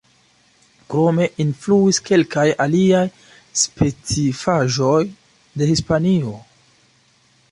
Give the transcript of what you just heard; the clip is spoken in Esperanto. Krome, influis kelkaj aliaj specifaĵoj de Hispanio.